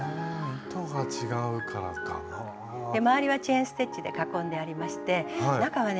周りはチェーン・ステッチで囲んでありまして中はね